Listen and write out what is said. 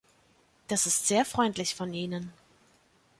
Das ist sehr freundlich von Ihnen.